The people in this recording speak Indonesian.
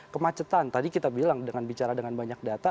kemacetan tadi kita bilang dengan bicara dengan banyak data